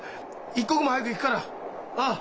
一刻も早く行くからああ。